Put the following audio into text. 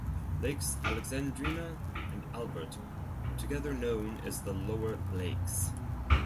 Lakes Alexandrina and Albert are together known as the Lower Lakes.